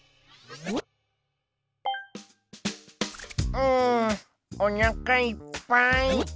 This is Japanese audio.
うんおなかいっぱい。